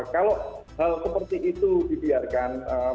kalau hal seperti itu dibiarkan